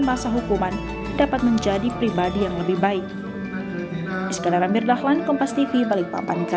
masa hukuman dapat menjadi pribadi yang lebih baik